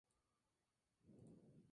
Del mismo año data "Monserrat".